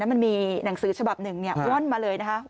มันมีหนังสือฉบับหนึ่งว่อนมาเลยนะคะ